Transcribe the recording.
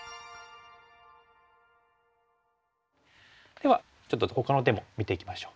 ではちょっとほかの手も見ていきましょう。